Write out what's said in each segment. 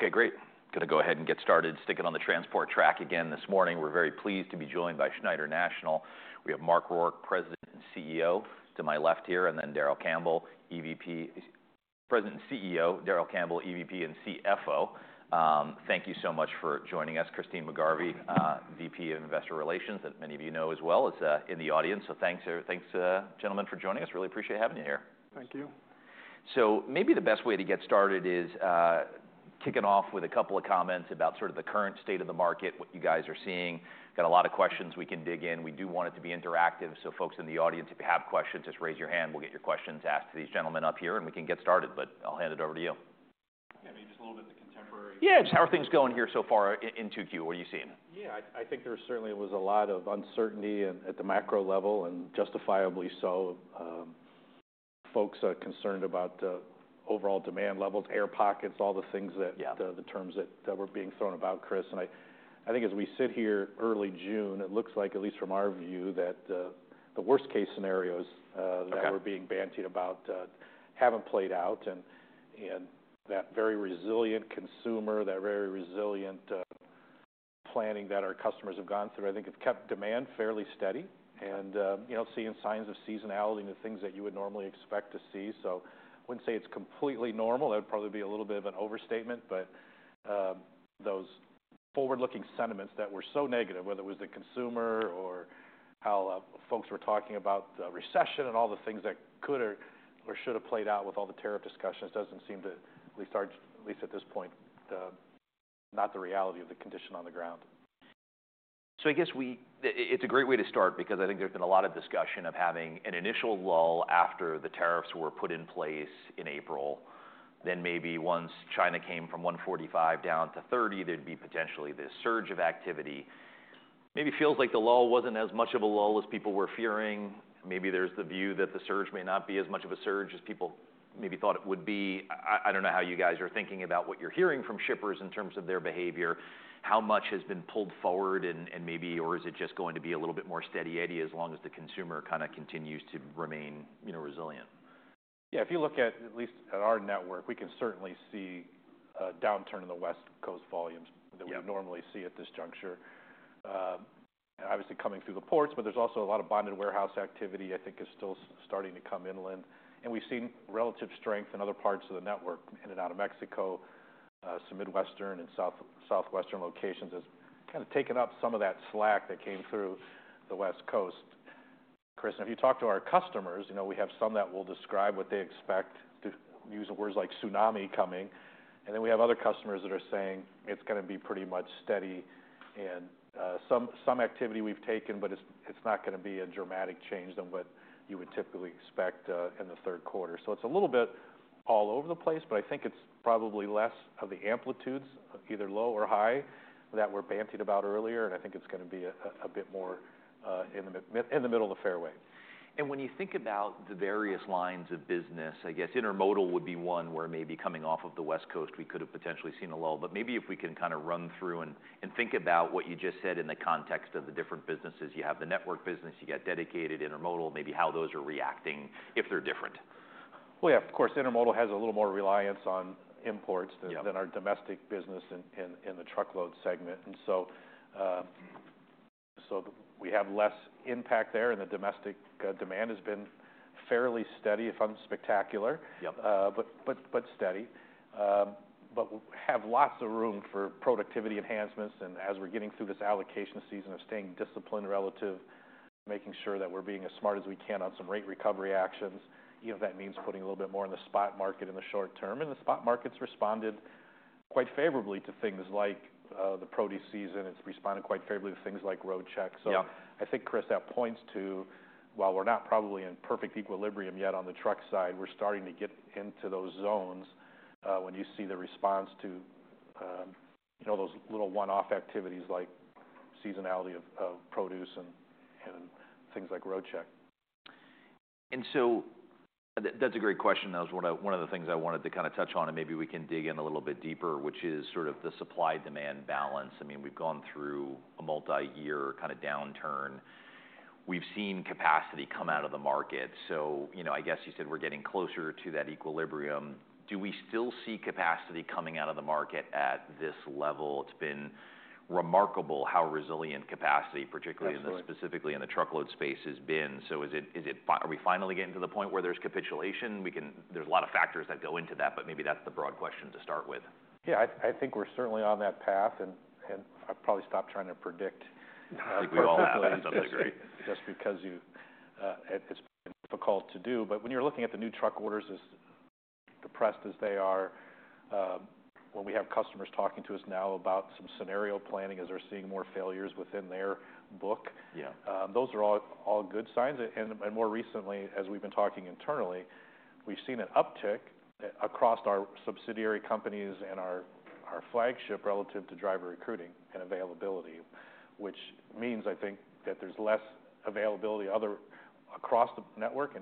Okay, great. Gonna go ahead and get started, sticking on the transport track again this morning. We're very pleased to be joined by Schneider National. We have Mark Rourke, President and CEO, to my left here, and then Darrell Campbell, EVP and CFO. Thank you so much for joining us. Christine McGarvey, VP of Investor Relations, that many of you know as well, is in the audience. Thanks, gentlemen, for joining us. Really appreciate having you here. Thank you. Maybe the best way to get started is kicking off with a couple of comments about sort of the current state of the market, what you guys are seeing. Got a lot of questions we can dig in. We do want it to be interactive. Folks in the audience, if you have questions, just raise your hand. We'll get your questions asked to these gentlemen up here, and we can get started. I'll hand it over to you. Yeah, maybe just a little bit of the contemporary. Yeah, just how are things going here so far in 2Q? What are you seeing? Yeah, I think there certainly was a lot of uncertainty at the macro level, and justifiably so. Folks are concerned about overall demand levels, air pockets, all the things that the terms that were being thrown about, Chris. I think as we sit here early June, it looks like, at least from our view, that the worst-case scenarios that were being bantied about have not played out. That very resilient consumer, that very resilient planning that our customers have gone through, I think has kept demand fairly steady and seeing signs of seasonality and the things that you would normally expect to see. I would not say it is completely normal. That would probably be a little bit of an overstatement. Those forward-looking sentiments that were so negative, whether it was the consumer or how folks were talking about the recession and all the things that could or should have played out with all the tariff discussions, does not seem to, at least at this point, be the reality of the condition on the ground. I guess it's a great way to start because I think there's been a lot of discussion of having an initial lull after the tariffs were put in place in April. Then maybe once China came from 145 down to 30, there'd be potentially this surge of activity. Maybe it feels like the lull wasn't as much of a lull as people were fearing. Maybe there's the view that the surge may not be as much of a surge as people maybe thought it would be. I don't know how you guys are thinking about what you're hearing from shippers in terms of their behavior. How much has been pulled forward, and maybe, or is it just going to be a little bit more steady eddy as long as the consumer kind of continues to remain resilient? Yeah, if you look at at least at our network, we can certainly see a downturn in the West Coast volumes that we normally see at this juncture, obviously coming through the ports. There is also a lot of bonded warehouse activity, I think, is still starting to come inland. We have seen relative strength in other parts of the network, in and out of Mexico, some Midwestern and Southwestern locations as kind of taking up some of that slack that came through the West Coast. Chris, and if you talk to our customers, we have some that will describe what they expect to use words like tsunami coming. We have other customers that are saying it is going to be pretty much steady. Some activity we have taken, but it is not going to be a dramatic change than what you would typically expect in the third quarter. It's a little bit all over the place, but I think it's probably less of the amplitudes, either low or high, that were bantied about earlier. I think it's going to be a bit more in the middle of the fairway. When you think about the various lines of business, I guess intermodal would be one where maybe coming off of the West Coast, we could have potentially seen a lull. Maybe if we can kind of run through and think about what you just said in the context of the different businesses, you have the network business, you got dedicated, intermodal, maybe how those are reacting if they're different. Of course, intermodal has a little more reliance on imports than our domestic business in the truckload segment. We have less impact there, and the domestic demand has been fairly steady, if unspectacular, but steady. We have lots of room for productivity enhancements. As we're getting through this allocation season of staying disciplined relative to making sure that we're being as smart as we can on some rate recovery actions, even if that means putting a little bit more in the spot market in the short term. The spot market's responded quite favorably to things like the produce season. It's responded quite favorably to things like road checks. I think, Chris, that points to, while we're not probably in perfect equilibrium yet on the truck side, we're starting to get into those zones when you see the response to those little one-off activities like seasonality of produce and things like road check. That is a great question. That was one of the things I wanted to kind of touch on, and maybe we can dig in a little bit deeper, which is sort of the supply-demand balance. I mean, we have gone through a multi-year kind of downturn. We have seen capacity come out of the market. I guess you said we are getting closer to that equilibrium. Do we still see capacity coming out of the market at this level? It has been remarkable how resilient capacity, particularly in the truckload space, has been. Are we finally getting to the point where there is capitulation? There are a lot of factors that go into that, but maybe that is the broad question to start with. Yeah, I think we're certainly on that path. I'll probably stop trying to predict. I think we all have that to a degree. Just because it's difficult to do. When you're looking at the new truck orders, as depressed as they are, when we have customers talking to us now about some scenario planning as they're seeing more failures within their book, those are all good signs. More recently, as we've been talking internally, we've seen an uptick across our subsidiary companies and our flagship relative to driver recruiting and availability, which means, I think, that there's less availability across the network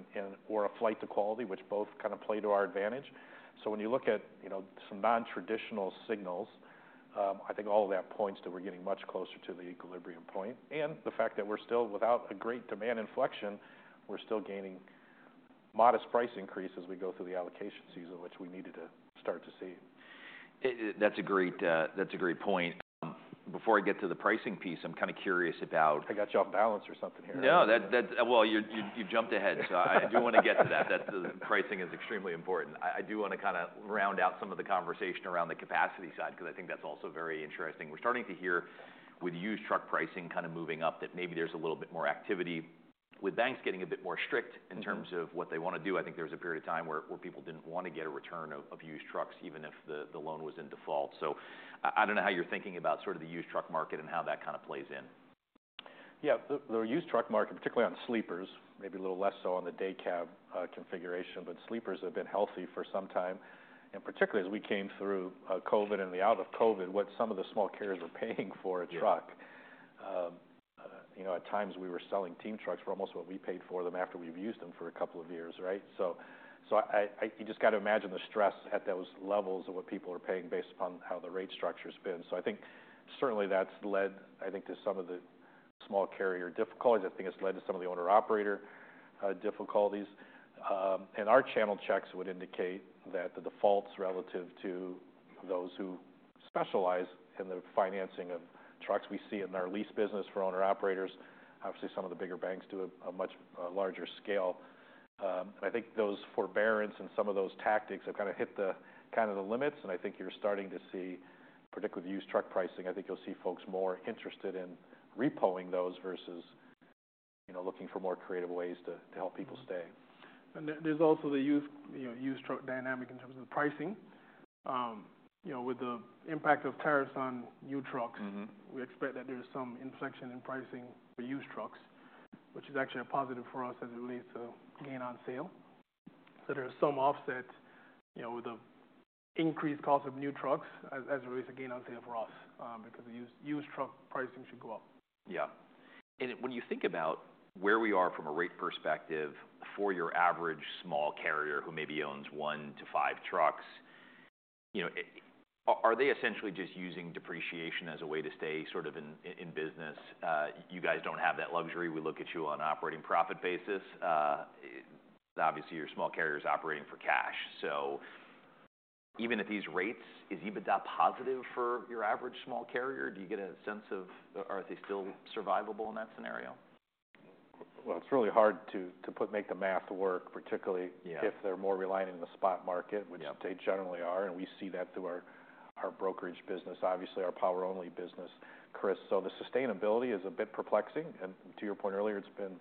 or a flight to quality, which both kind of play to our advantage. When you look at some non-traditional signals, I think all of that points to we're getting much closer to the equilibrium point. The fact that we're still, without a great demand inflection, we're still gaining modest price increases as we go through the allocation season, which we needed to start to see. That's a great point. Before I get to the pricing piece, I'm kind of curious about. I got you off balance or something here. No, you jumped ahead. I do want to get to that. Pricing is extremely important. I do want to kind of round out some of the conversation around the capacity side because I think that's also very interesting. We're starting to hear with used truck pricing kind of moving up that maybe there's a little bit more activity with banks getting a bit more strict in terms of what they want to do. I think there was a period of time where people didn't want to get a return of used trucks, even if the loan was in default. I don't know how you're thinking about sort of the used truck market and how that kind of plays in. Yeah, the used truck market, particularly on sleepers, maybe a little less so on the day cab configuration. Sleepers have been healthy for some time. Particularly as we came through COVID and out of COVID, what some of the small carriers were paying for a truck. At times, we were selling team trucks for almost what we paid for them after we've used them for a couple of years, right? You just got to imagine the stress at those levels of what people are paying based upon how the rate structure has been. I think certainly that's led, I think, to some of the small carrier difficulties. I think it's led to some of the owner-operator difficulties. Our channel checks would indicate that the defaults relative to those who specialize in the financing of trucks we see in our lease business for owner-operators. Obviously, some of the bigger banks do a much larger scale. I think those forbearance and some of those tactics have kind of hit kind of the limits. I think you're starting to see, particularly with used truck pricing, you'll see folks more interested in repoing those versus looking for more creative ways to help people stay. There's also the used truck dynamic in terms of the pricing. With the impact of tariffs on new trucks, we expect that there's some inflection in pricing for used trucks, which is actually a positive for us as it relates to gain on sale. There's some offset with the increased cost of new trucks as it relates to gain on sale for us because the used truck pricing should go up. Yeah. When you think about where we are from a rate perspective for your average small carrier who maybe owns one to five trucks, are they essentially just using depreciation as a way to stay sort of in business? You guys do not have that luxury. We look at you on an operating profit basis. Obviously, your small carrier is operating for cash. Even at these rates, is even that positive for your average small carrier? Do you get a sense of, are they still survivable in that scenario? It's really hard to make the math work, particularly if they're more reliant on the spot market, which they generally are. We see that through our brokerage business, obviously our power-only business, Chris. The sustainability is a bit perplexing. To your point earlier, it's been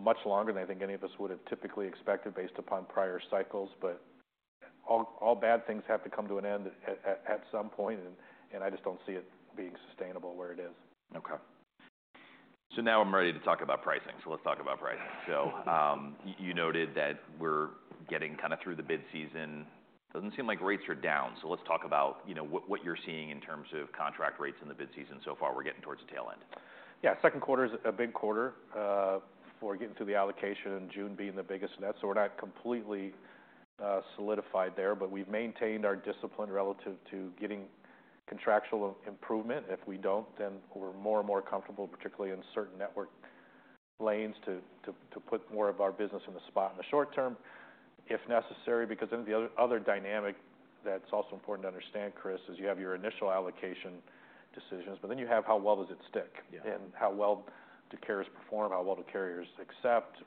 much longer than I think any of us would have typically expected based upon prior cycles. All bad things have to come to an end at some point. I just don't see it being sustainable where it is. Okay. Now I'm ready to talk about pricing. Let's talk about pricing. You noted that we're getting kind of through the bid season. It doesn't seem like rates are down. Let's talk about what you're seeing in terms of contract rates in the bid season so far. We're getting towards the tail end. Yeah, second quarter is a big quarter for getting through the allocation, June being the biggest. We are not completely solidified there, but we have maintained our discipline relative to getting contractual improvement. If we do not, then we are more and more comfortable, particularly in certain network lanes, to put more of our business in the spot in the short term if necessary. The other dynamic that is also important to understand, Chris, is you have your initial allocation decisions, but then you have how well does it stick and how well do carriers perform, how well do carriers accept,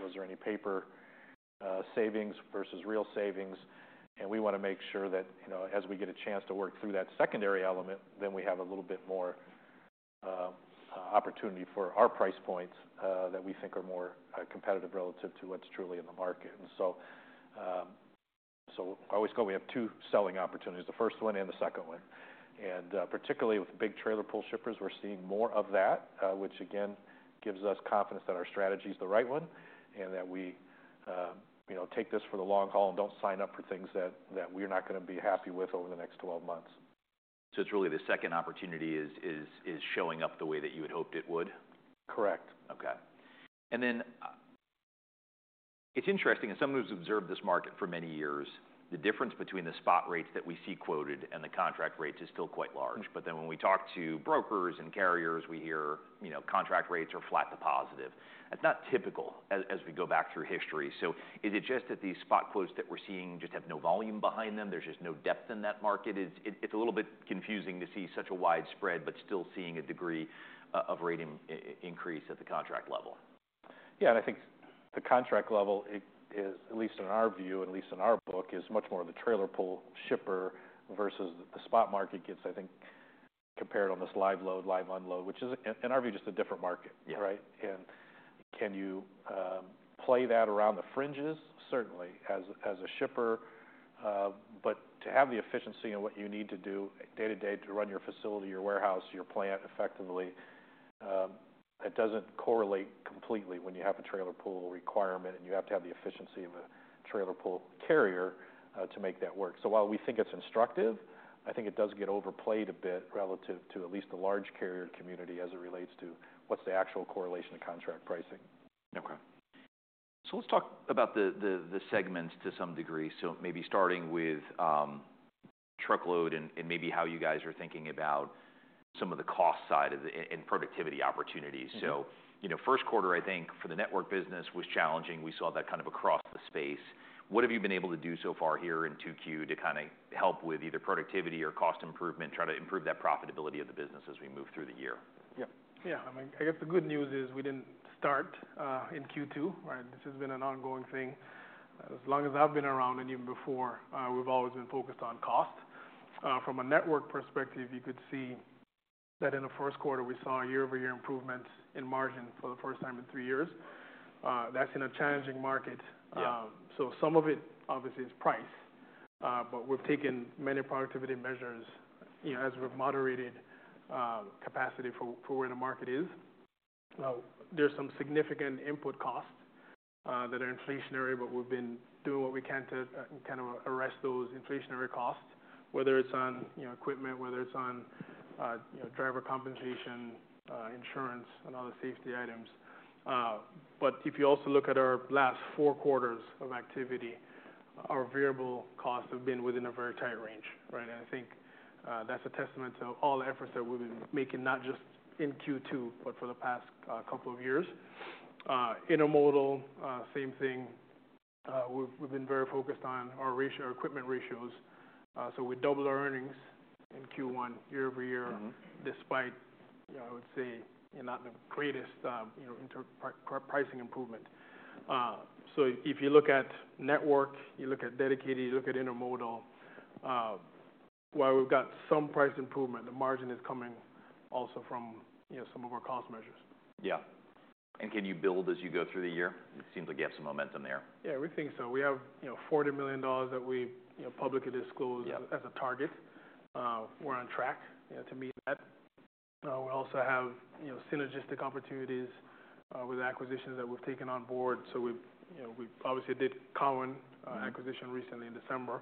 was there any paper savings versus real savings. We want to make sure that as we get a chance to work through that secondary element, we have a little bit more opportunity for our price points that we think are more competitive relative to what is truly in the market. I always go we have two selling opportunities, the first one and the second one. Particularly with big trailer pull shippers, we're seeing more of that, which again gives us confidence that our strategy is the right one and that we take this for the long haul and do not sign up for things that we are not going to be happy with over the next 12 months. So it's really the second opportunity is showing up the way that you had hoped it would? Correct. Okay. It's interesting, as someone who's observed this market for many years, the difference between the spot rates that we see quoted and the contract rates is still quite large. When we talk to brokers and carriers, we hear contract rates are flat to positive. That's not typical as we go back through history. Is it just that these spot quotes that we're seeing just have no volume behind them? There's just no depth in that market? It's a little bit confusing to see such a widespread, but still seeing a degree of rating increase at the contract level. Yeah, and I think the contract level is, at least in our view, at least in our book, is much more of the trailer pull shipper versus the spot market gets, I think, compared on this live load, live unload, which is, in our view, just a different market, right? Can you play that around the fringes? Certainly, as a shipper, but to have the efficiency and what you need to do day to day to run your facility, your warehouse, your plant effectively, that does not correlate completely when you have a trailer pull requirement and you have to have the efficiency of a trailer pull carrier to make that work. While we think it is instructive, I think it does get overplayed a bit relative to at least the large carrier community as it relates to what is the actual correlation to contract pricing. Okay. Let's talk about the segments to some degree. Maybe starting with truckload and maybe how you guys are thinking about some of the cost side and productivity opportunities. First quarter, I think, for the network business was challenging. We saw that kind of across the space. What have you been able to do so far here in Q2 to kind of help with either productivity or cost improvement, try to improve that profitability of the business as we move through the year? Yeah. Yeah. I mean, I guess the good news is we didn't start in Q2, right? This has been an ongoing thing. As long as I've been around and even before, we've always been focused on cost. From a network perspective, you could see that in the first quarter, we saw year-over-year improvements in margin for the first time in three years. That's in a challenging market. Some of it obviously is price, but we've taken many productivity measures as we've moderated capacity for where the market is. There are some significant input costs that are inflationary, but we've been doing what we can to kind of arrest those inflationary costs, whether it's on equipment, whether it's on driver compensation, insurance, and other safety items. If you also look at our last four quarters of activity, our variable costs have been within a very tight range, right? I think that's a testament to all the efforts that we've been making, not just in Q2, but for the past couple of years. Intermodal, same thing. We've been very focused on our equipment ratios. We doubled our earnings in Q1 year over year, despite, I would say, not the greatest pricing improvement. If you look at network, you look at dedicated, you look at intermodal, while we've got some price improvement, the margin is coming also from some of our cost measures. Yeah. Can you build as you go through the year? It seems like you have some momentum there. Yeah, we think so. We have $40 million that we publicly disclose as a target. We're on track to meet that. We also have synergistic opportunities with acquisitions that we've taken on board. We obviously did Cowan acquisition recently in December.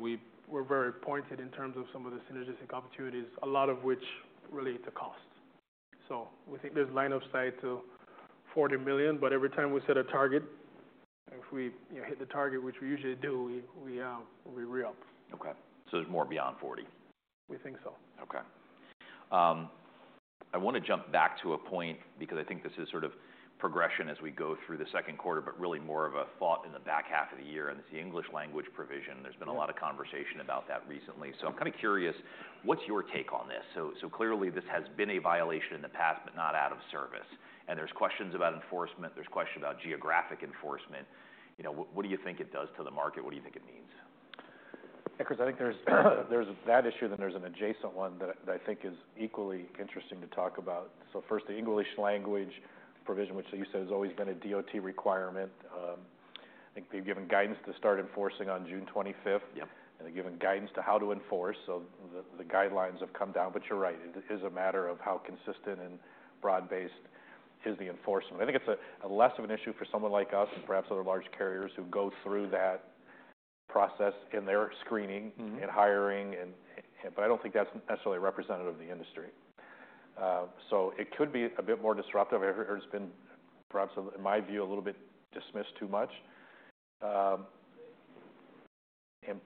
We were very pointed in terms of some of the synergistic opportunities, a lot of which relate to cost. We think there's line of sight to $40 million, but every time we set a target, if we hit the target, which we usually do, we re-up. Okay. So there's more beyond 40. We think so. Okay. I want to jump back to a point because I think this is sort of progression as we go through the second quarter, but really more of a thought in the back half of the year. It is the English language provision. There has been a lot of conversation about that recently. I am kind of curious, what is your take on this? Clearly, this has been a violation in the past, but not out of service. There are questions about enforcement. There are questions about geographic enforcement. What do you think it does to the market? What do you think it means? Yeah, Chris, I think there's that issue, then there's an adjacent one that I think is equally interesting to talk about. First, the English language provision, which, as you said, has always been a DOT requirement. I think they've given guidance to start enforcing on June 25th and they've given guidance to how to enforce. The guidelines have come down. You're right. It is a matter of how consistent and broad-based is the enforcement. I think it's less of an issue for someone like us and perhaps other large carriers who go through that process in their screening and hiring. I don't think that's necessarily representative of the industry. It could be a bit more disruptive. It's been, perhaps in my view, a little bit dismissed too much, and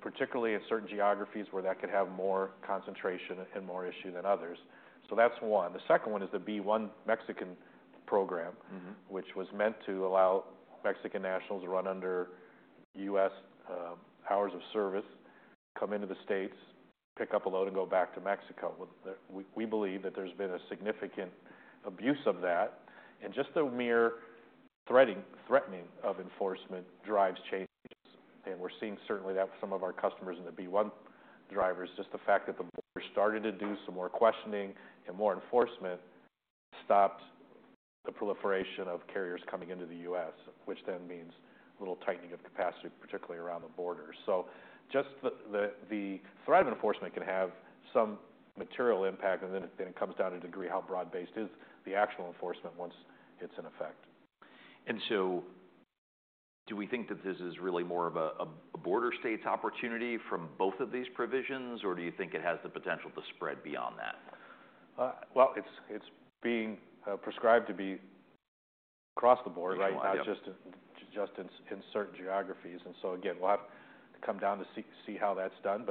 particularly in certain geographies where that could have more concentration and more issue than others. That's one. The second one is the B1 Mexican program, which was meant to allow Mexican nationals to run under U.S. hours of service, come into the States, pick up a load, and go back to Mexico. We believe that there's been a significant abuse of that. Just the mere threatening of enforcement drives changes. We're seeing certainly that with some of our customers and the B1 drivers, just the fact that the border started to do some more questioning and more enforcement stopped the proliferation of carriers coming into the U.S., which then means a little tightening of capacity, particularly around the border. Just the threat of enforcement can have some material impact, and then it comes down to a degree how broad-based is the actual enforcement once it's in effect. Do we think that this is really more of a border state's opportunity from both of these provisions, or do you think it has the potential to spread beyond that? It is being prescribed to be across the border, not just in certain geographies. Again, we'll have to come down to see how that's done.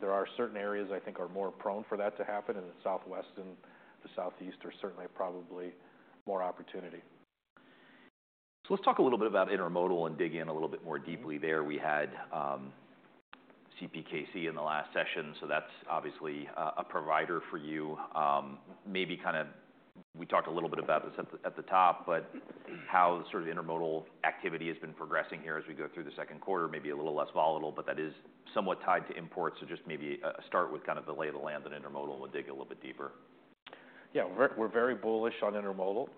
There are certain areas I think are more prone for that to happen, and the Southwest and the Southeast are certainly probably more opportunity. Let's talk a little bit about intermodal and dig in a little bit more deeply there. We had CPKC in the last session. That's obviously a provider for you. Maybe we talked a little bit about this at the top, but how sort of intermodal activity has been progressing here as we go through the second quarter, maybe a little less volatile, but that is somewhat tied to imports. Just maybe start with kind of the lay of the land on intermodal and we'll dig a little bit deeper. Yeah, we're very bullish on intermodal,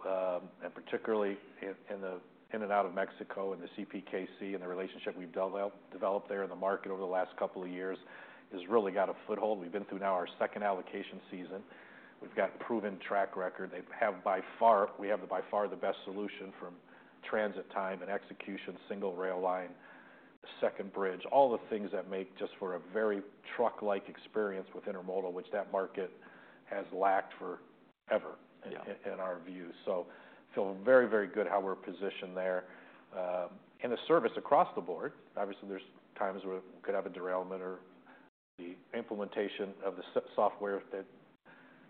and particularly in and out of Mexico and the CPKC and the relationship we've developed there in the market over the last couple of years has really got a foothold. We've been through now our second allocation season. We've got proven track record. We have by far the best solution from transit time and execution, single rail line, second bridge, all the things that make just for a very truck-like experience with intermodal, which that market has lacked forever in our view. Feel very, very good how we're positioned there. The service across the board, obviously there's times where we could have a derailment or the implementation of the software that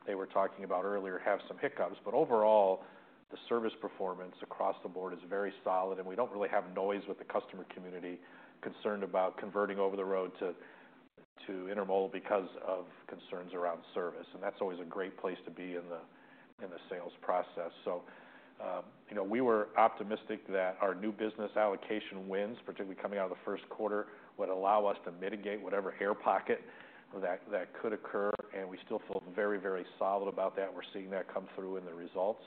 they were talking about earlier have some hiccups. Overall, the service performance across the board is very solid, and we do not really have noise with the customer community concerned about converting over the road to intermodal because of concerns around service. That is always a great place to be in the sales process. We were optimistic that our new business allocation wins, particularly coming out of the first quarter, would allow us to mitigate whatever air pocket that could occur. We still feel very, very solid about that. We are seeing that come through in the results.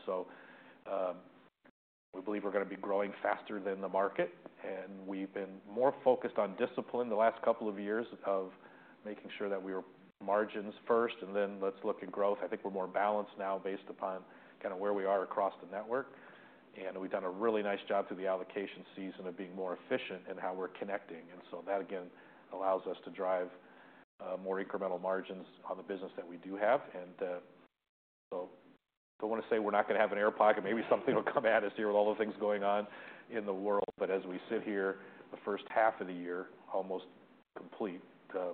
We believe we are going to be growing faster than the market. We have been more focused on discipline the last couple of years of making sure that we were margins first, and then let us look at growth. I think we are more balanced now based upon kind of where we are across the network. We've done a really nice job through the allocation season of being more efficient in how we're connecting. That, again, allows us to drive more incremental margins on the business that we do have. I don't want to say we're not going to have an air pocket. Maybe something will come at us here with all the things going on in the world. As we sit here, the first half of the year almost complete. I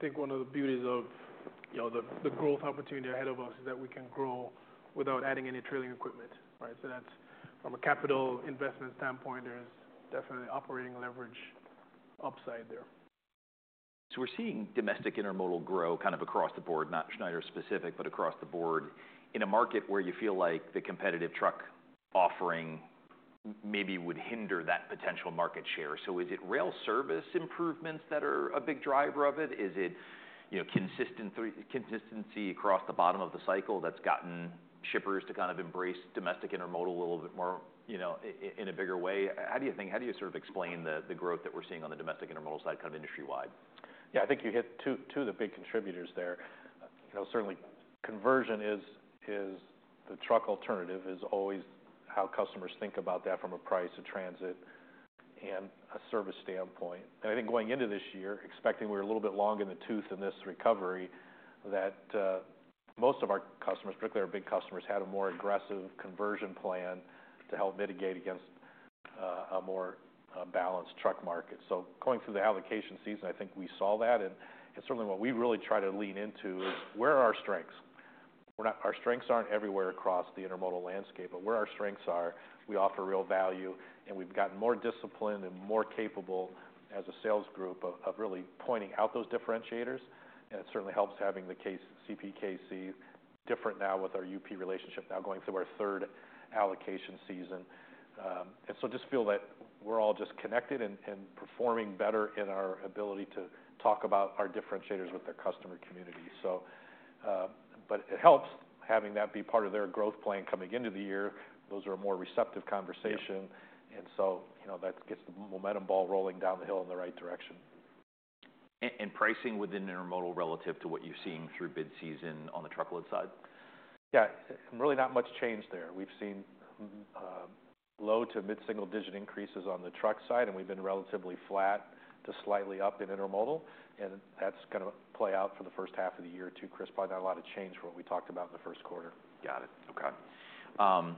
think one of the beauties of the growth opportunity ahead of us is that we can grow without adding any trailing equipment, right? So from a capital investment standpoint, there's definitely operating leverage upside there. We're seeing domestic intermodal grow kind of across the board, not Schneider specific, but across the board in a market where you feel like the competitive truck offering maybe would hinder that potential market share. Is it rail service improvements that are a big driver of it? Is it consistency across the bottom of the cycle that's gotten shippers to kind of embrace domestic intermodal a little bit more in a bigger way? How do you think, how do you sort of explain the growth that we're seeing on the domestic intermodal side kind of industry-wide? Yeah, I think you hit two of the big contributors there. Certainly, conversion is the truck alternative is always how customers think about that from a price, a transit, and a service standpoint. I think going into this year, expecting we're a little bit long in the tooth in this recovery, that most of our customers, particularly our big customers, had a more aggressive conversion plan to help mitigate against a more balanced truck market. Going through the allocation season, I think we saw that. Certainly what we really try to lean into is where are our strengths? Our strengths aren't everywhere across the intermodal landscape, but where our strengths are, we offer real value, and we've gotten more disciplined and more capable as a sales group of really pointing out those differentiators. It certainly helps having the CPKC different now with our UP relationship now going through our third allocation season. I just feel that we're all just connected and performing better in our ability to talk about our differentiators with their customer community. It helps having that be part of their growth plan coming into the year. Those are a more receptive conversation. That gets the momentum ball rolling down the hill in the right direction. Pricing within intermodal relative to what you're seeing through bid season on the truckload side? Yeah, really not much change there. We've seen low to mid-single digit increases on the truck side, and we've been relatively flat to slightly up in intermodal. That's going to play out for the first half of the year too, Chris. Probably not a lot of change for what we talked about in the first quarter. Got it. Okay.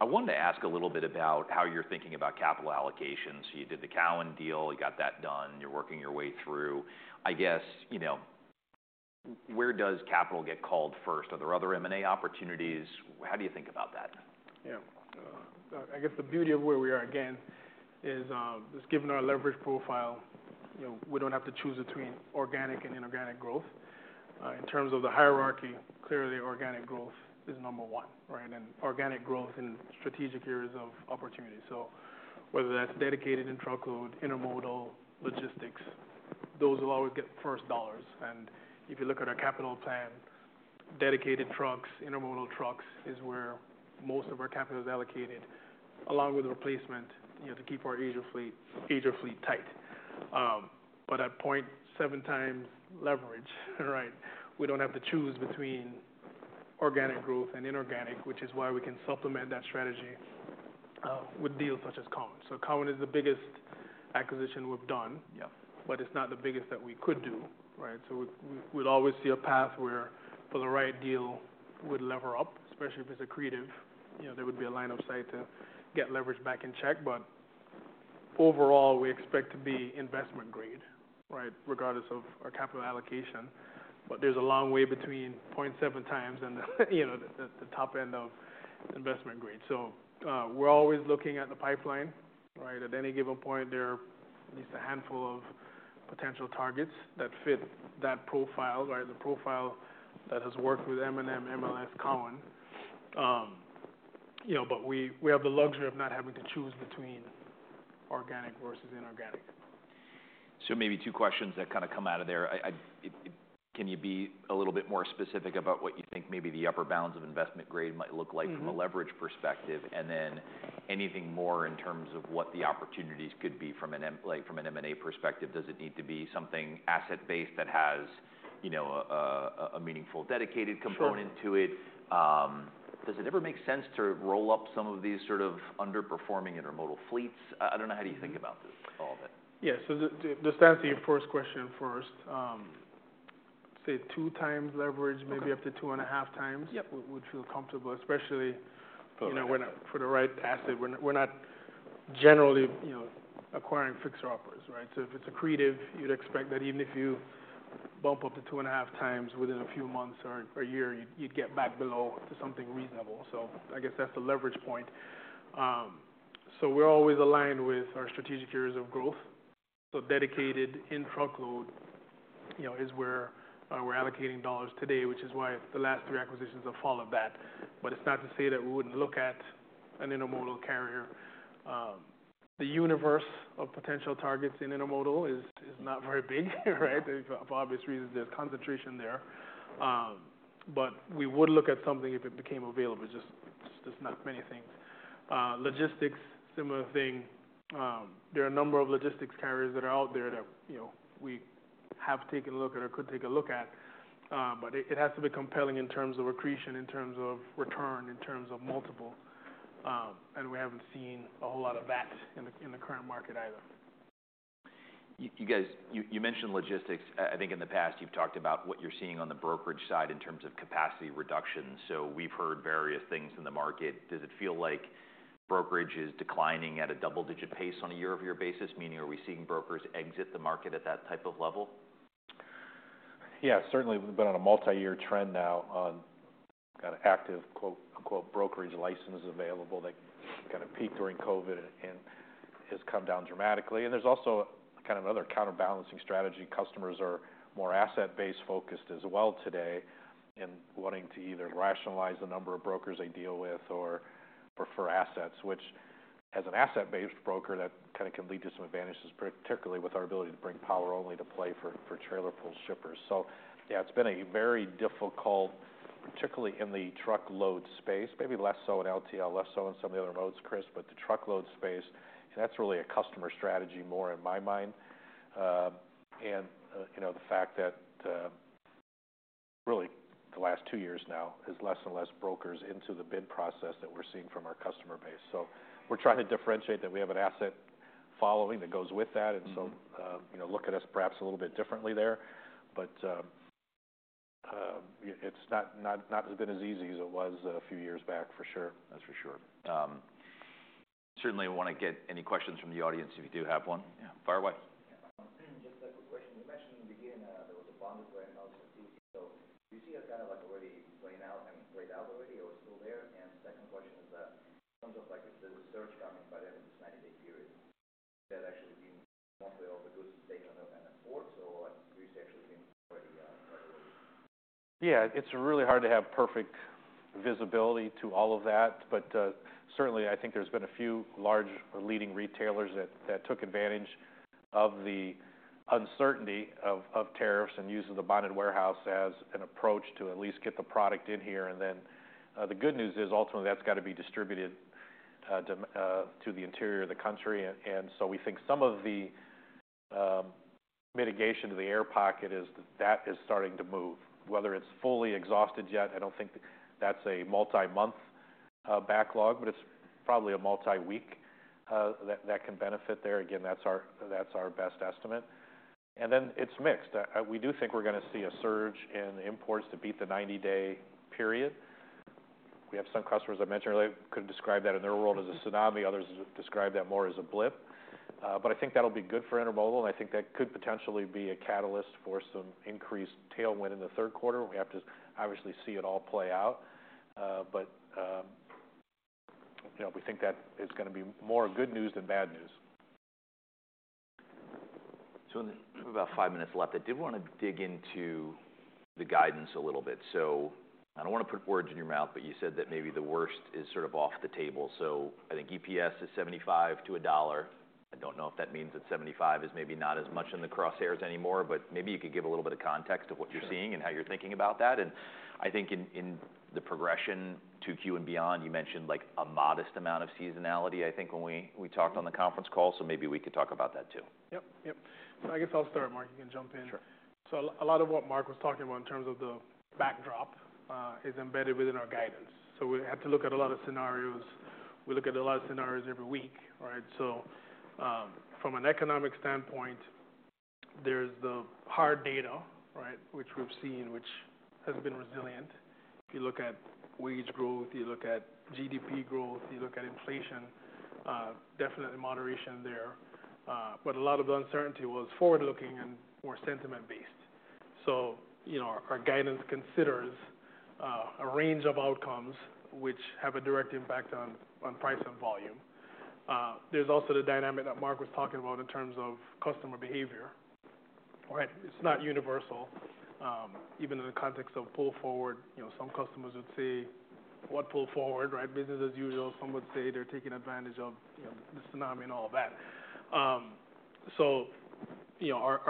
I wanted to ask a little bit about how you're thinking about capital allocations. You did the Cowan deal. You got that done. You're working your way through. I guess, where does capital get called first? Are there other M&A opportunities? How do you think about that? Yeah. I guess the beauty of where we are again is given our leverage profile, we do not have to choose between organic and inorganic growth. In terms of the hierarchy, clearly organic growth is number one, right? And organic growth in strategic areas of opportunity. Whether that is dedicated in truckload, intermodal, logistics, those will always get first dollars. If you look at our capital plan, dedicated trucks, intermodal trucks is where most of our capital is allocated, along with replacement to keep our agent fleet tight. At 0.7 times leverage, right? We do not have to choose between organic growth and inorganic, which is why we can supplement that strategy with deals such as Cowan. Cowan is the biggest acquisition we have done, but it is not the biggest that we could do, right? We'd always see a path where for the right deal, we'd lever up, especially if it's accretive. There would be a line of sight to get leverage back in check. Overall, we expect to be investment grade, right, regardless of our capital allocation. There's a long way between 0.7 times and the top end of investment grade. We're always looking at the pipeline, right? At any given point, there are at least a handful of potential targets that fit that profile, right? The profile that has worked with M&M, MLS, Cowan. We have the luxury of not having to choose between organic versus inorganic. Maybe two questions that kind of come out of there. Can you be a little bit more specific about what you think maybe the upper bounds of investment grade might look like from a leverage perspective? Anything more in terms of what the opportunities could be from an M&A perspective? Does it need to be something asset-based that has a meaningful dedicated component to it? Does it ever make sense to roll up some of these sort of underperforming intermodal fleets? I don't know. How do you think about all of it? Yeah. To just answer your first question first, say two times leverage, maybe up to two and a half times, we'd feel comfortable, especially for the right asset. We're not generally acquiring fixer uppers, right? If it's accretive, you'd expect that even if you bump up to two and a half times, within a few months or a year, you'd get back below to something reasonable. I guess that's the leverage point. We're always aligned with our strategic areas of growth. Dedicated and truckload is where we're allocating dollars today, which is why the last three acquisitions have followed that. It's not to say that we wouldn't look at an intermodal carrier. The universe of potential targets in intermodal is not very big, right? For obvious reasons, there's concentration there. We would look at something if it became available. It's just not many things. Logistics, similar thing. There are a number of logistics carriers that are out there that we have taken a look at or could take a look at. It has to be compelling in terms of accretion, in terms of return, in terms of multiple. We haven't seen a whole lot of that in the current market either. You mentioned logistics. I think in the past, you've talked about what you're seeing on the brokerage side in terms of capacity reduction. We've heard various things in the market. Does it feel like brokerage is declining at a double-digit pace on a year-over-year basis? Meaning, are we seeing brokers exit the market at that type of level? Yeah, certainly. We've been on a multi-year trend now on kind of active brokerage license available that kind of peaked during COVID and has come down dramatically. There's also kind of another counterbalancing strategy. Customers are more asset-based focused as well today and wanting to either rationalize the number of brokers they deal with or prefer assets, which as an asset-based broker, that kind of can lead to some advantages, particularly with our ability to bring power only to play for trailer-pulled shippers. Yeah, it's been very difficult, particularly in the truckload space, maybe less so in LTL, less so in some of the other modes, Chris, but the truckload space, and that's really a customer strategy more in my mind. The fact that really the last two years now is less and less brokers into the bid process that we're seeing from our customer base. We're trying to differentiate that we have an asset following that goes with that. Look at us perhaps a little bit differently there. It's not been as easy as it was a few years back, for sure. That's for sure. Certainly want to get any questions from the audience if you do have one. Yeah, fire away. Just a quick question. You mentioned in the beginning there was a bonded warehouse analysis of TCO. Do you see it kind of like already played out and played out already or still there? Second question is that in terms of the surge coming by the end of this 90-day period, that actually been mostly over goods and staying on the force or do you see actually been already right away? Yeah, it's really hard to have perfect visibility to all of that. Certainly, I think there's been a few large leading retailers that took advantage of the uncertainty of tariffs and use of the bonded warehouse as an approach to at least get the product in here. The good news is ultimately that's got to be distributed to the interior of the country. We think some of the mitigation to the air pocket is that that is starting to move. Whether it's fully exhausted yet, I don't think that's a multi-month backlog, but it's probably a multi-week that can benefit there. Again, that's our best estimate. It's mixed. We do think we're going to see a surge in imports to beat the 90-day period. We have some customers I mentioned earlier could describe that in their world as a tsunami. Others describe that more as a blip. I think that'll be good for intermodal. I think that could potentially be a catalyst for some increased tailwind in the third quarter. We have to obviously see it all play out. We think that is going to be more good news than bad news. We have about five minutes left. I did want to dig into the guidance a little bit. I do not want to put words in your mouth, but you said that maybe the worst is sort of off the table. I think EPS is $0.75-$1. I do not know if that means that $0.75 is maybe not as much in the crosshairs anymore, but maybe you could give a little bit of context of what you are seeing and how you are thinking about that. I think in the progression to Q and beyond, you mentioned a modest amount of seasonality, I think, when we talked on the conference call. Maybe we could talk about that too. Yep, yep. I guess I'll start, Mark. You can jump in. Sure. A lot of what Mark was talking about in terms of the backdrop is embedded within our guidance. We had to look at a lot of scenarios. We look at a lot of scenarios every week, right? From an economic standpoint, there's the hard data, right, which we've seen, which has been resilient. If you look at wage growth, you look at GDP growth, you look at inflation, definitely moderation there. A lot of the uncertainty was forward-looking and more sentiment-based. Our guidance considers a range of outcomes which have a direct impact on price and volume. There's also the dynamic that Mark was talking about in terms of customer behavior, right? It's not universal. Even in the context of pull forward, some customers would say, "What pull forward, right?" Business as usual. Some would say they're taking advantage of the tsunami and all that. Our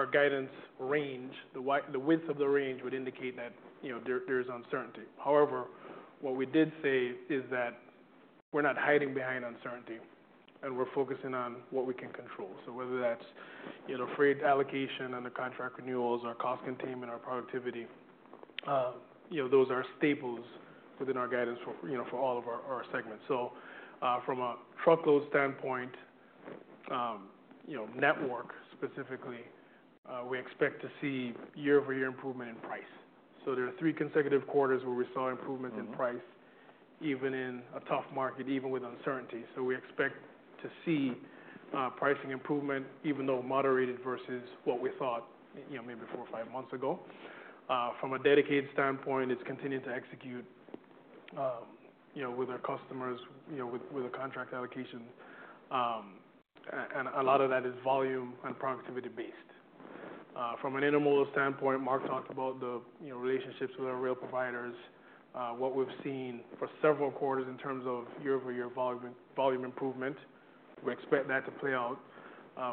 guidance range, the width of the range would indicate that there is uncertainty. However, what we did say is that we're not hiding behind uncertainty, and we're focusing on what we can control. Whether that's freight allocation and the contract renewals or cost containment or productivity, those are staples within our guidance for all of our segments. From a truckload standpoint, network specifically, we expect to see year-over-year improvement in price. There are three consecutive quarters where we saw improvements in price, even in a tough market, even with uncertainty. We expect to see pricing improvement, even though moderated versus what we thought maybe four or five months ago. From a dedicated standpoint, it's continuing to execute with our customers with a contract allocation. A lot of that is volume and productivity based. From an intermodal standpoint, Mark talked about the relationships with our rail providers, what we've seen for several quarters in terms of year-over-year volume improvement. We expect that to play out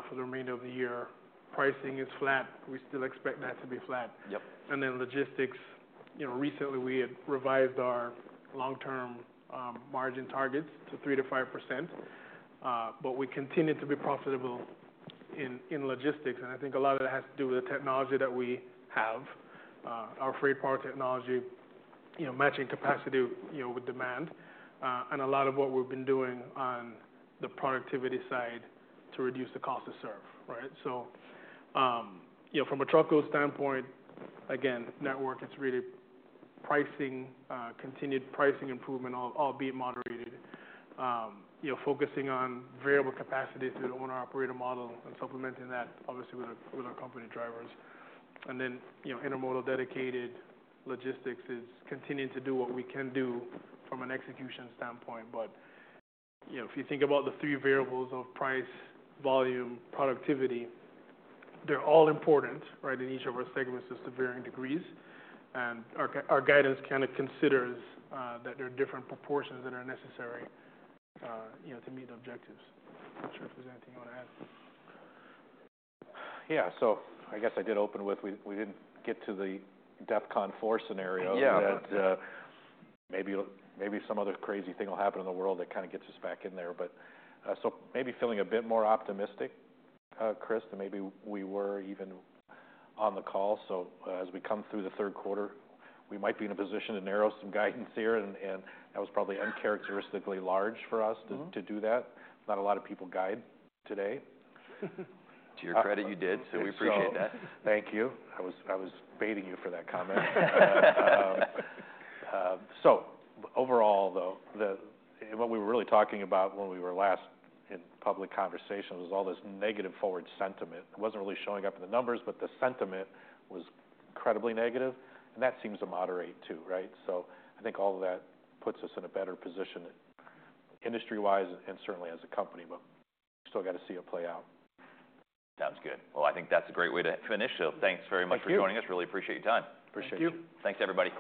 for the remainder of the year. Pricing is flat. We still expect that to be flat. In logistics, recently we had revised our long-term margin targets to 3%-5%. We continue to be profitable in logistics. I think a lot of that has to do with the technology that we have, our FreightPower technology, matching capacity with demand. A lot of what we've been doing on the productivity side to reduce the cost of serve, right? From a truckload standpoint, again, network, it's really pricing, continued pricing improvement, albeit moderated, focusing on variable capacity through the owner-operator model and supplementing that, obviously, with our company drivers. Intermodal dedicated logistics is continuing to do what we can do from an execution standpoint. If you think about the three variables of price, volume, productivity, they're all important, right, in each of our segments to varying degrees. Our guidance kind of considers that there are different proportions that are necessary to meet objectives. I'm not sure if there's anything you want to add. Yeah. I guess I did open with we did not get to the DEFCON four scenario that maybe some other crazy thing will happen in the world that kind of gets us back in there. Maybe feeling a bit more optimistic, Chris, than maybe we were even on the call. As we come through the third quarter, we might be in a position to narrow some guidance here. That was probably uncharacteristically large for us to do that. Not a lot of people guide today. To your credit, you did. We appreciate that. Thank you. I was baiting you for that comment. Overall, though, what we were really talking about when we were last in public conversation was all this negative forward sentiment. It was not really showing up in the numbers, but the sentiment was incredibly negative. That seems to moderate too, right? I think all of that puts us in a better position industry-wise and certainly as a company. We still got to see it play out. Sounds good. I think that is a great way to finish. Thanks very much for joining us. Really appreciate your time. Appreciate you. Thanks, everybody.